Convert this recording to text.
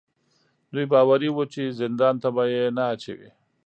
دوی باوري وو چې زندان ته به یې نه اچوي.